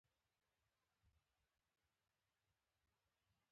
سندره له طبیعت الهام اخلي